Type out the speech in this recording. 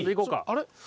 あれ？